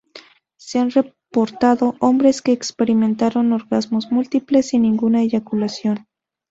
Se han reportado hombres que experimentaron orgasmos múltiples, sin ninguna eyaculación.